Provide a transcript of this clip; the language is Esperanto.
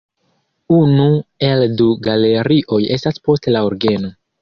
Unu el du galerioj estas post la orgeno.